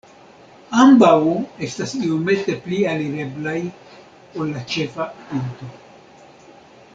Ambaŭ estas iomete pli alireblaj ol la ĉefa pinto.